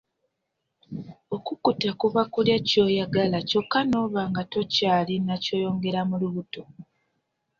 Okukutta kuba kulya ky'oyagala ky'okka n'oba nga tokyalina w'oyongera mu lubuto.